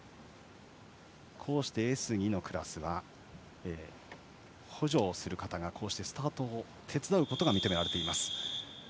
Ｓ２のクラスは補助をする方がスタートを手伝うことが認められています。